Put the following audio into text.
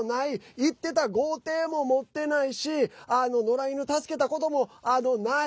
言ってた豪邸も持ってないし野良犬、助けたこともない。